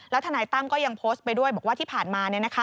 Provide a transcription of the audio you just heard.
ทนายตั้มก็ยังโพสต์ไปด้วยบอกว่าที่ผ่านมา